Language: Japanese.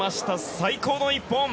最高の１本！